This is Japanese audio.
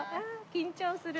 緊張する。